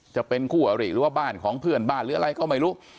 จะเป็นคู่อริหรือว่าบ้านของเพื่อนบ้านหรืออะไรก็ไม่รู้